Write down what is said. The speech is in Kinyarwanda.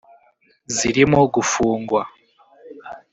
zirimo gufungwa